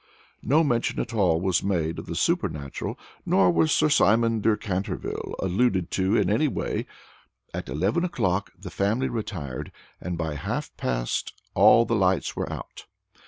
No mention at all was made of the supernatural, nor was Sir Simon de Canterville alluded to in any way. At eleven o'clock the family retired, and by half past all the lights were out.